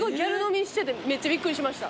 めっちゃびっくりしました。